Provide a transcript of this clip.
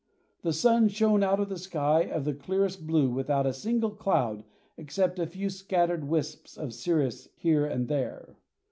The sun shone out of a sky of the clearest blue without a single cloud except a few scattered wisps of cirrus here and there.